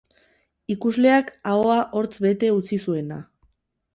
Ikusleak ahoa hortz bete utzi zuena.